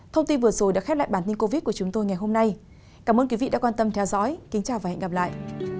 thông tin vừa rồi đã khép lại bản tin covid của chúng tôi ngày hôm nay cảm ơn quý vị đã quan tâm theo dõi kính chào và hẹn gặp lại